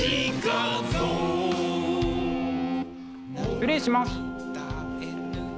失礼します。